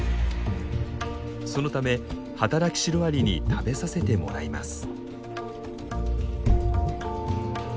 そのため働きシロアリに食べさせてもらいます。